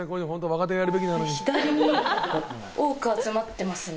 左に多く集まっていますね。